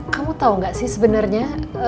kamu tau gak sih sebenernya